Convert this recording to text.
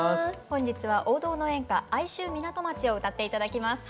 本日は王道の演歌「哀愁港町」を歌って頂きます。